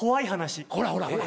ほらほらほら。